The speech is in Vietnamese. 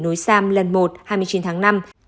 nối sam lần một hai mươi chín tháng năm